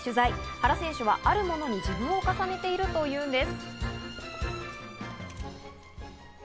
原選手はあるものに自分を重ねているというんです。